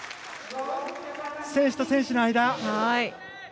選手と選手の間。